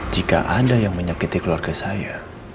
jika ada yang menyakiti keluarga saya